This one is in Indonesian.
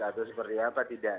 atau seperti apa tidak